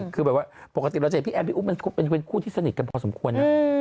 คือแบบว่าปกติเราจะเห็นพี่แมมพี่อุ๊บมันเป็นคู่ที่สนิทกันพอสมควร